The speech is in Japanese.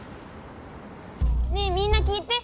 ねえみんな聞いて。